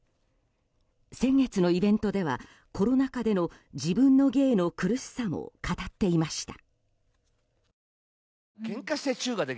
先月のイベントではコロナ禍での自分の芸の苦しさも語っていました。